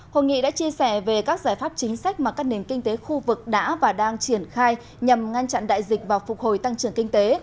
hội nghị đã chia sẻ về các giải pháp chính sách mà các nền kinh tế khu vực đã và đang triển khai nhằm ngăn chặn đại dịch và phục hồi tăng trưởng kinh tế